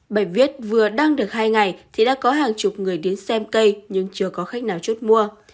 bài viết vừa đang được hai ngày thì đã có hàng chục người đến xem cây nhưng chưa có khách nào chốt mua